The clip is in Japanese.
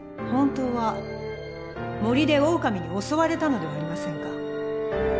本当は森でオオカミに襲われたのではありませんか？